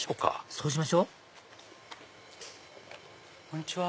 そうしましょうこんにちは。